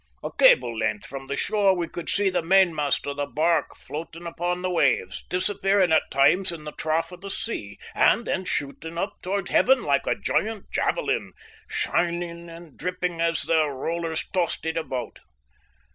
A cable length from the shore we could see the mainmast of the barque floating upon the waves, disappearing at times in the trough of the sea, and then shooting up towards Heaven like a giant javelin, shining and dripping as the rollers tossed it about.